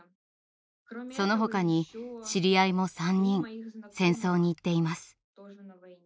その他に知り合いも３人戦争に行っています。